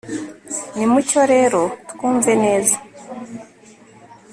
nimucyo rero twumve neza